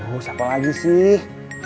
aduh siapa lagi sih